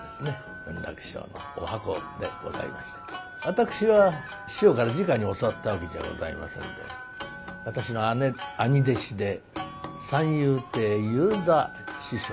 私は師匠からじかに教わったわけじゃございませんで私の兄弟子で三遊亭遊三師匠というのがいらっしゃいますな。